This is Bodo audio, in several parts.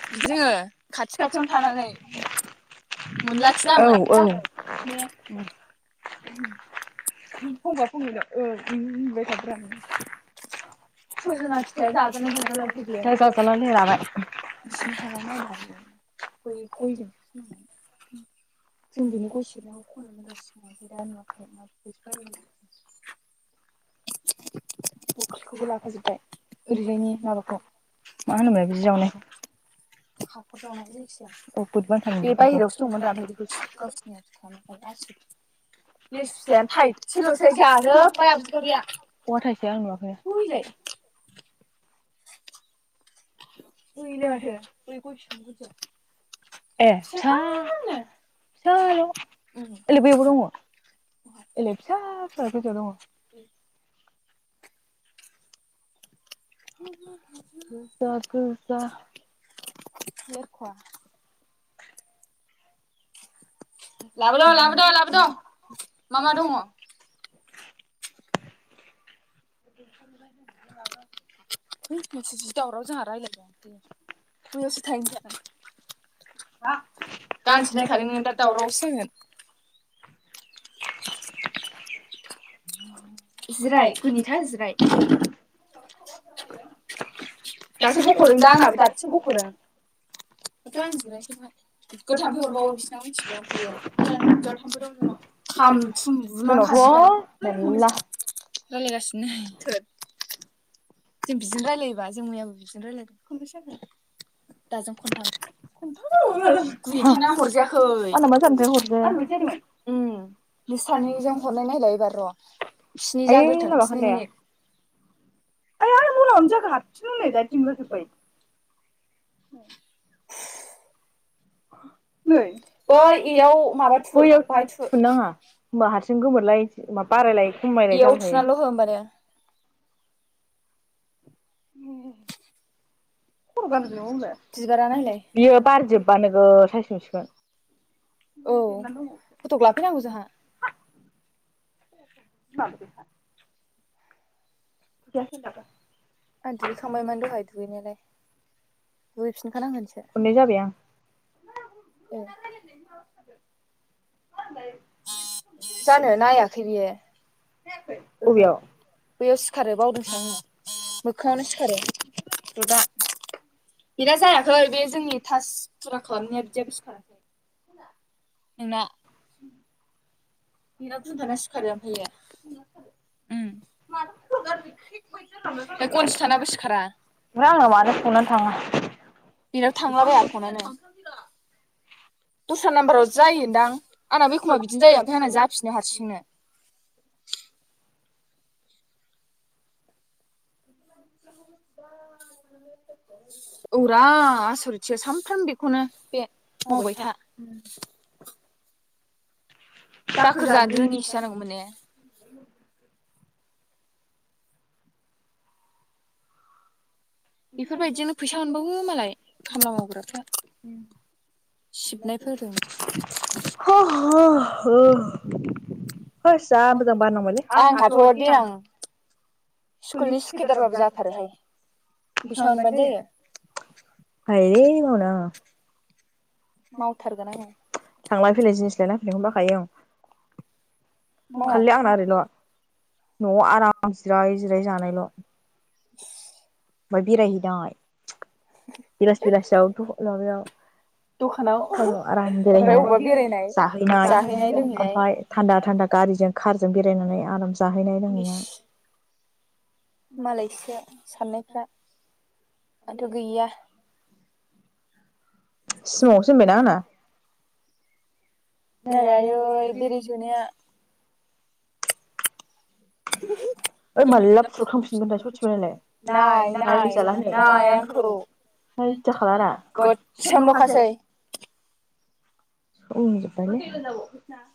खाथि खाथियाव थानानै मोनला दामोन औ औ फंबा फंनैल' ओ बि बुंबाय थाग्रा सजन फिथाइ जाजायोना जाजालाथाय बियो जाजाला नै राबाय [unintelligible] गयजों जोंजोंनो गय [unintelligible] सबनखौ ख मोनगसि दा नव आरो [unintelligible] [unintelligible] हाजोबा ओरैजायनि माबाखौ [unintelligible] मा होनबाय हाखर जावनाय जा [unintelligible] यखिजाया बे बाहेरायावसो दंमोनफ्राय गावसनि आुु आसु नि फुसायानो थाइ सल'स जाजोब्बाय आरिया [unintelligible] जां नुवाखलाय ए फ फिसााल' लै बेबो दङ लै फिसा फिसा गोजौ दङ [unintelligible] [unintelligible] गोजा गोजा लाबोद' लाबोद' लाबोद' मा मा दङ। [unintelligible] मोनसे दावराव जोंहा रायजलायबाय द बयावसो थाहनो जाग गानसै नायखादों ननोङो दा दावरावआवसोगोन। [inaudible] जिराय खुनि। जिराय [inaudible] दासो बख'दों दा आंनाबो दासो बख'दों। थ' आं जिरायसैाय गोथांफ हरबावो बिसिन मिथिगौनो थायो दावथामबो राव खाम थुम बुनांखासिगोन रायलायगासि नै जों बिजों रायजलायोबा जों मैयाबो बिजोंनोायलायदों। [inaudible] [inaudible] औ। [inaudible] [inaudible] बिजों गोमोरलाय बारायलाय इयाव थुनानैल' हो ओमबानो [inaudible] [inaudible] [inaudible] [inaudible] दुगैफिनखा नांगोनसो। जानो नायाखै बेयो ओहो बैयाव सिखारो बावदोंसो आं। [inaudible] मोखाङावनो सिखारो ददा बिना जायाखै बे जोंनि थास फुरा खालामनाया बिदियाबो सिखाराखै नोंना। [inaudible] [inaudible] दस्रा नाम्बाव जायोदां। आंना बो एखमबा बिदि जायो। ओमाफ्राय आंना जा बिनो हारसिंनो। [inaudible] औरा आसुरिदसो सानफ्रामबो बेखौनो बे मावबाय था। दाखोर जानो रोङिसो जानांगौमोन ने? [inaudible] स्कुलनि सुखिदारबाबो जाखार बेबानो जायो। हायै मावनाङा [inaudible] थांलाय फैलाय जिनिस लायना होफैनायखौनो बाखायो आं। खालि आंना ओरैल' [inaudible] न'आव आराम आं जिरायै जिरायै जानायल'। ओमफ्राय बेरायहैनाय। बिलासि बिलासियाव माबायाव दखानाव आराम बेरायनाय जाहैनाय ओमफ्राय थान्दा थान्दा गारिजों कारजों बेरायनानै [inaudible] आराम। जाहैनाय लोंहैनाय। मालायसो साननायफ्रा। हाथ' गैया। सिमाङावसो होनबायना आंना। नालाय आयै बेरे जोनाया। [unintelligible] सोमजुब बायलै।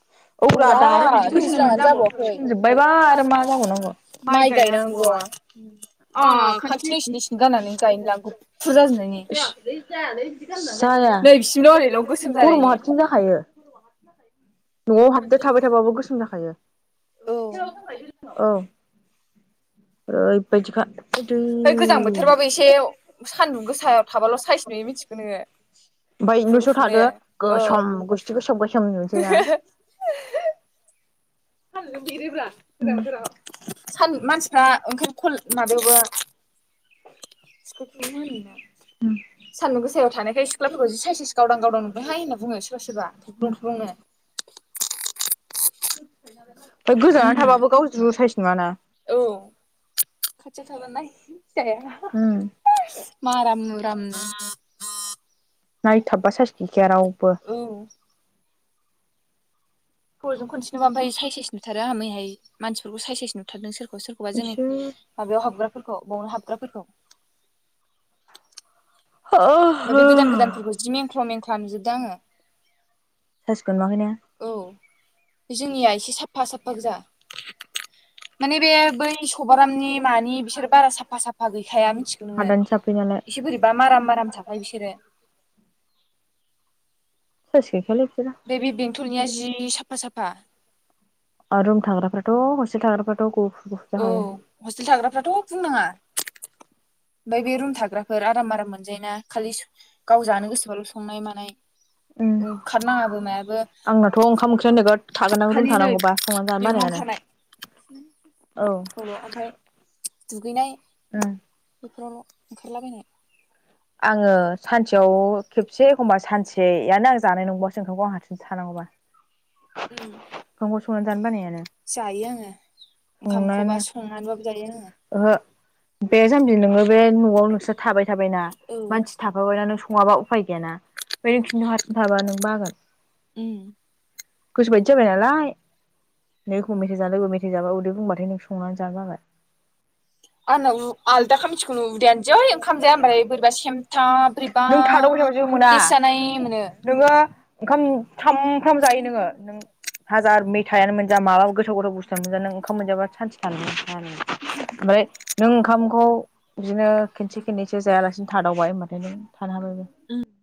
[unintelligible] [unintelligible] न'आव हाथदो थाबाय थाबाबो गोसोम जाखायो औ। [unintelligible] [unintelligible] [inaudible] [unintelligible] [unintelligible] [unintelligible] खनसेनोबा ओमफाय साय साइस नुथारो आहा मैहाय मानसिफोरखौ साइस साइस नुथारदों सोरखौ सोरखौबा जोंनि माबायाव हाबग्राफोरखौ [unintelligible] हाबग्राफोरखौ। [unintelligible] [unintelligible] माराम माराम थाफायो बिसोरो। [unintelligible] [unintelligible] [unintelligible] औ हस्टेल थाग्राफ्राथ' बुंनाङा ओमफ्राय बे रुम थाग्राफोर आराम आराम मोनजायोना खालि गाव जानो गोसोबाल' संनाय मानाय। ओंखारनाङाबो मायाबो आंनाथ' ओंखाम ओंख्रिया नोगोद थागोन दां [unintelligible] थानांगौबा संना जानो बानायानो। औ [unintelligible] ओमफाय दुगैनाय बेफोरावल' ओंखारला बायनाय। आङो सानसेयाव खेबसे एखमबा सानसेयानो आं जानाय नंबावासो ओंखामखौ आं हारसिं थानांगौबा। ओंखामखौ संनानै जानो बानायानो जायो आङो संनानैबाबो जायो ओहो बे जाम्बि नोङो बे न'आव नोंसोर थाबाय थाबायना। औ मानसि थाफाबाय ना नों सङाबा उफाय गोयाना उम। गोसोबायदि जाबाय नालाय नों एखमबा मेथाइ जानो लोगो मेथाइ जाबा उदै बुंबाथाय नों संनानै जानो जाबाय। आंना उ आलदाखा मिथिगौ नों उदैयानो जै ओंखाम जाया होम्बाथाय बोरबासो नों थादावबाय थाबा जेबो मोना नोङो ओंखाम सामफ्राम जायो नोङो नों हाजार मेथाइानो मोनजा माबा गोथाव गोथाव बुस्थुआनो मोनजा नों ओंखाम मोनजाबा सान्थि थानो हाया नोङो। ओमफ्राय नों ओंखामखौ बिदिनो खेनसे खेननैसो जायालासिनो थादावबाय होनबाथाय नों थानो हाबायबो। [inaudible]